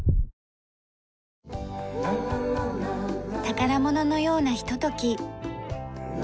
宝物のようなひととき。